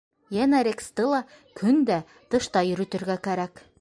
Йәнә Рексты ла көн дә тышта йөрөтөргә кәрәк.